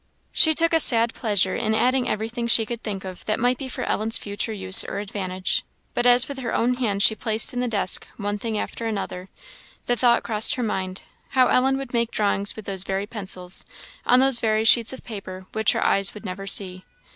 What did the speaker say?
She took a sad pleasure in adding everything she could think of that might be for Ellen's future use or advantage; but as with her own hands she placed in the desk one thing after another, the thought crossed her mind, how Ellen would make drawings with those very pencils, on those very sheets of paper, which her eyes would never see!